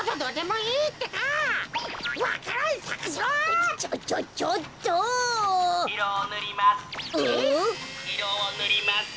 いろをぬります。